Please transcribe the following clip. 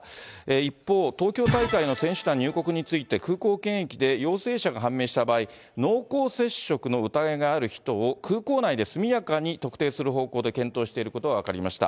一方、東京大会の選手団入国について、空港検疫で陽性者が判明した場合、濃厚接触の疑いがある人を空港内で速やかに特定する方向で検討していることが分かりました。